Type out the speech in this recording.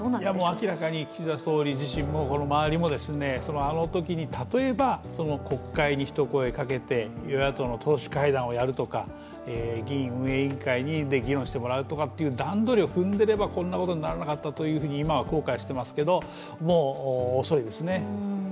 明らかに岸田総理自身も周りも、あのときに例えば、国会にひと声かけて、与野党の党首会談をやるとか議院運営委員会で議論してもらうとかという段取りを踏んでいればこんなふうにならなかったと今は後悔していますが、もう遅いですね。